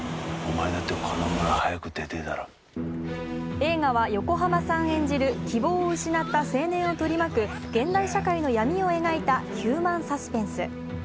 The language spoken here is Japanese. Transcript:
映画は、横浜さん演じる希望を失った青年を取り巻く現代社会の闇を描いたヒューマンサスペンス。